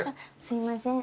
すいません。